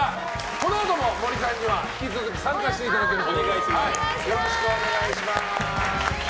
このあとも森さんには引き続き参加していただきます。